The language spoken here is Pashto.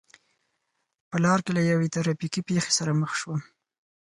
په لار کې له یوې ترا فیکې پېښې سره مخ شوم.